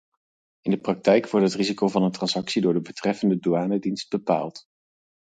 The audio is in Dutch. In de praktijk wordt het risico van een transactie door de betreffende douanedienst bepaald.